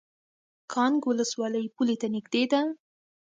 کانګ ولسوالۍ پولې ته نږدې ده؟